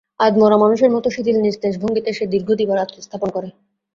আধমরা মানুষের মতো শিথিল নিস্তেজ ভঙ্গিতে সে দীর্ঘ দিবারাত্রি যাপন করে।